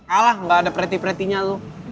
alah nggak ada preti pretinya loh